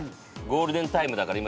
ゴールデンタイムって。